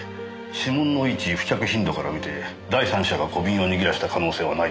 指紋の位置付着頻度からみて第三者が小瓶を握らせた可能性はないですね。